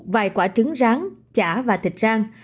vài quả trứng rán chả và thịt rang